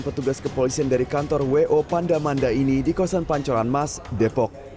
dan petugas kepolisian dari kantor wo pandamanda ini di kosan pancuran mas depok